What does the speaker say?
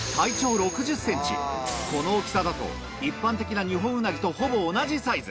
この大きさだと一般的なニホンウナギとほぼ同じサイズ